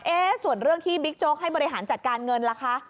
ส่วนเรื่องที่บิ๊กโจ๊กให้บริหารจัดการเงินล่ะคะ